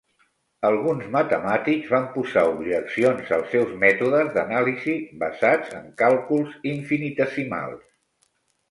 Alguns matemàtics van posar objeccions als seus mètodes d'anàlisi basats en càlculs infinitesimals.